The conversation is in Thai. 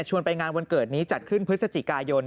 ไปงานวันเกิดนี้จัดขึ้นพฤศจิกายน